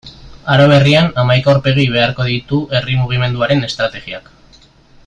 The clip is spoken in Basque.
Aro berrian, hamaika aurpegi beharko ditu herri mugimenduaren estrategiak.